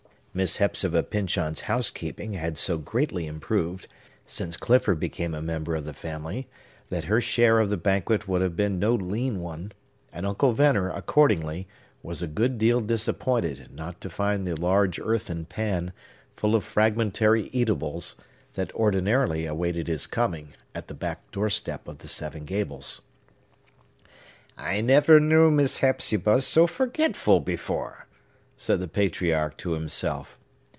Miss Hepzibah Pyncheon's housekeeping had so greatly improved, since Clifford became a member of the family, that her share of the banquet would have been no lean one; and Uncle Venner, accordingly, was a good deal disappointed not to find the large earthen pan, full of fragmentary eatables, that ordinarily awaited his coming at the back doorstep of the Seven Gables. "I never knew Miss Hepzibah so forgetful before," said the patriarch to himself.